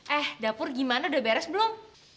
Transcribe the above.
eh dapur gimana udah beres belum